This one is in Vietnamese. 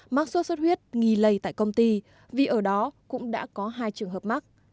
mắc xuất xuất huyết nghì lầy tại công ty vì ở đó cũng đã có hai trường hợp mắc